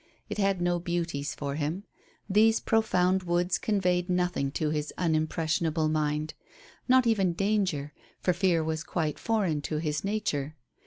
It had no beauties for him. These profound woods conveyed nothing to his unimpressionable mind; not even danger, for fear was quite foreign to his nature.